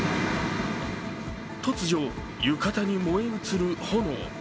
突如、浴衣に燃え移る炎。